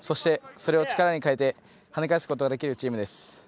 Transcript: それを力に変えて跳ね返すことができるチームです。